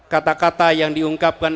kata kata yang diungkapkan